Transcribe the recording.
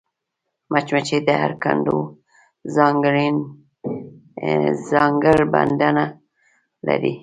مچمچۍ د هر کندو ځانګړېندنه لري